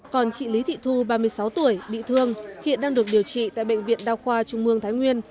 còn chị lý thị thu ba mươi sáu tuổi bị thương hiện đang được điều trị tại bệnh viện đa khoa trung mương thái nguyên